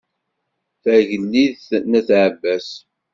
Tagliḍt n at ɛebbas.